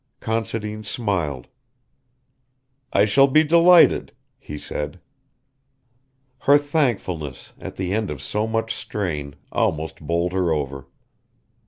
Considine smiled. "I shall be delighted," he said. Her thankfulness, at the end of so much strain, almost bowled her over.